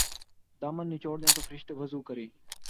دامن نچوڑ دیں تو فرشتے وضو کریں''